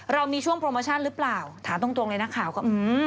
เรามีช่วงโปรโมชั่นหรือเปล่าถามตรงเลยนักข่าวก็